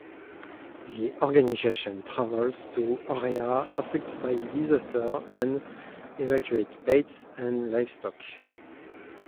The organization travels to areas affected by disaster and evacuate pets and livestock.